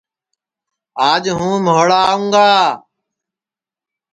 آج ہوں مھوڑا آوں گا